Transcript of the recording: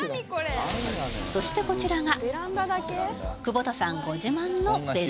そしてこちらが久保田さんご自慢のベランダ。